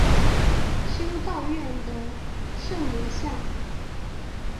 修道院的圣母像。